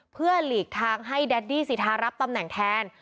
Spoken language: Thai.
เพื่อหลีกทางให้แดดดี้สิทธารับตำแหน่งแทน